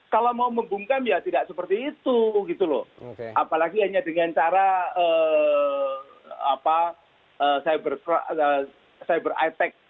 kalau mau membungkam ya tidak seperti itu gitu loh apalagi hanya dengan cara cyber ittack